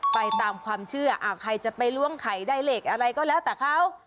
ไปตามความเชื่อใครจะไปล้วงไข่ได้เลขอะไรก็แล้วแต่เขา